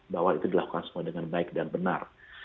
bahwa itu dilakukan semua dengan baik dan benar